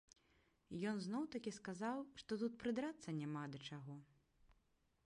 Ён зноў-такі сказаў, што тут прыдрацца няма да чаго.